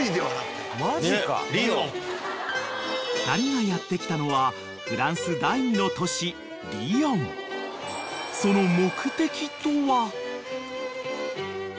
［２人がやって来たのはフランス第２の都市］でも。